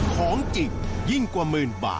ของจริงยิ่งกว่าหมื่นบาท